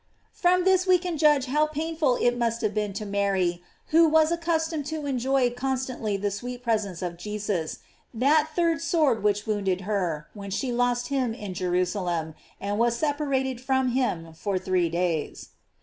From this we can judge how painful must have been to Mary, who was accustomed to en joy constantly the sweet presence of Jesus, that third sword which wounded her, when she lost him in Jerusalem, and was separated from him for three days.